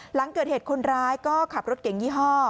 หลังเกิดเหตุคนร้ายก็ขับรถเก่งยี่ห้อ